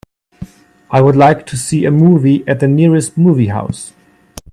I would like to see a movie at the nearest movie house.